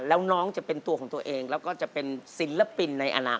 แล้วน้องจะเป็นตัวของตัวเองแล้วก็จะเป็นศิลปินในอนาคต